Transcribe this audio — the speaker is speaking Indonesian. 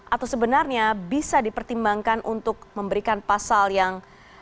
atau sebenarnya bisa dipertimbangkan untuk memberikan pasal yang